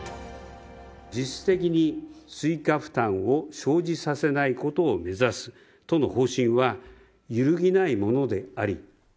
実質的に追加負担を生じさせないことを目指すとの方針は揺るぎないものであり。